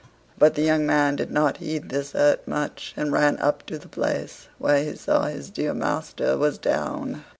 But the young man did not heed this hurt much, and ran up to the place where he saw his dear master was down.